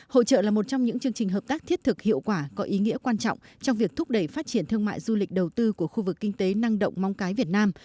hội trợ là một trong những chương trình hợp tác thiết thực hiệu quả có ý nghĩa quan trọng trong việc thúc đẩy phát triển thương mại du lịch đầu tư của khu vực kinh tế năng động móng cái việt nam